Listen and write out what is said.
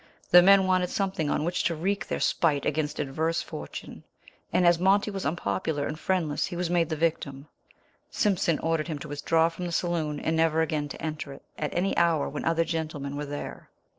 The men wanted something on which to wreak their spite against adverse fortune, and as Monty was unpopular and friendless he was made the victim. Simpson ordered him to withdraw from the saloon and never again to enter it at an hour when other gentlemen were there.